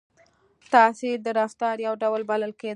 • تحصیل د رفتار یو ډول بلل کېده.